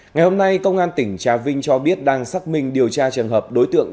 ngày hôm nay công an tỉnh trà vinh cho biết đang xác minh điều tra trường hợp đối tượng